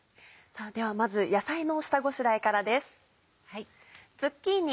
ではまず野菜の下ごしらえからです。